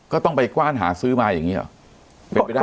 ก็ต้องไปกว้านหาซื้อมาอย่างนี้หรอ